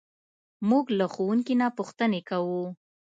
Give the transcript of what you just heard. موږ له ښوونکي نه پوښتنې کوو.